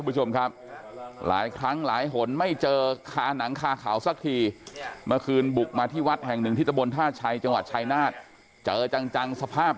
ดื่มถูกไหมถูกต้องยอมรับก็ดื่มถ้าดื่มก็แค่นี้แหละถ้ารับก็ดื่มก็ใช่นั่นเองก็ถือว่าต้องยอมรับ